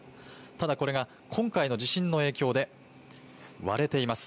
ただこれが今回の地震の影響で割れています。